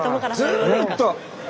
ずっと！